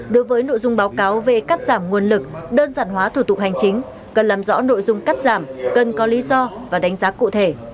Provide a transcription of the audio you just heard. đối với nội dung báo cáo về cắt giảm nguồn lực đơn giản hóa thủ tục hành chính cần làm rõ nội dung cắt giảm cần có lý do và đánh giá cụ thể